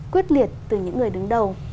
quyết liệt từ những người đứng đầu